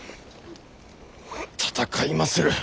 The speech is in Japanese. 戦いまする。